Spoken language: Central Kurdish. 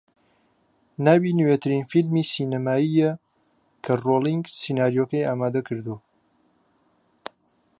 ناوی نوێترین فیلمی سینەماییە کە رۆلینگ سیناریۆکەی ئامادەکردووە